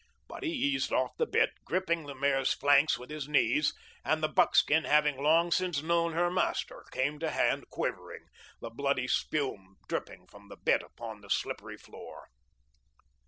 But he eased off the bit, gripping the mare's flanks with his knees, and the buckskin, having long since known her master, came to hand quivering, the bloody spume dripping from the bit upon the slippery floor.